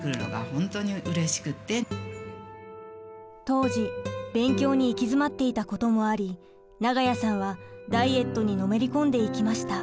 当時勉強に行き詰まっていたこともあり永谷さんはダイエットにのめり込んでいきました。